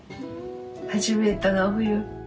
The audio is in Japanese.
初めての冬。